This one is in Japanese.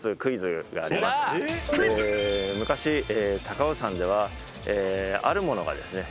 昔高尾山ではあるものがですね